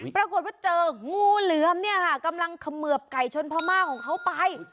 ปรากฏว่าเจองูเหลือมเนี่ยค่ะกำลังเขมือบไก่ชนพม่าของเขาไป